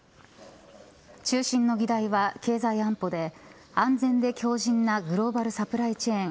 中心の議題は経済安保で安全で強じんなグローバルサプライチェーン